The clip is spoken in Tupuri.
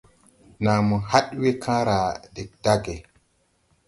Nàa mo haɗ we kããra de dage.